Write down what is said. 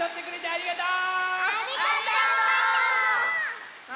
ありがとう！